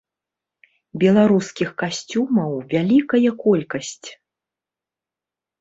Беларускіх касцюмаў вялікая колькасць.